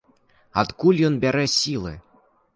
Адкуль ён бярэ сілы?